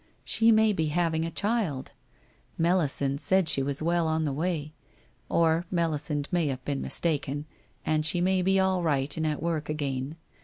She may be having a child? Melisande said she was well on the way; or, Melisande may have been mis taken, and she may be all right and at work again.